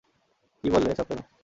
কী বলে, এসব কেন?